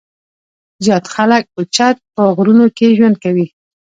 زيات خلک اوچت پۀ غرونو کښې ژوند کوي ـ